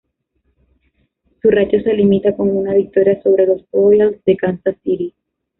Su racha se limita con una victoria sobre los Royals de Kansas City.